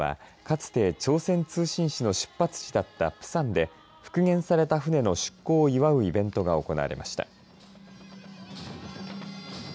きょうは、かつて朝鮮通信使の出発地だったプサンで復元された船の出航を祝うイベントが行われました。